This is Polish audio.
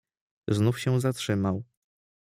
"Znów się zatrzymał."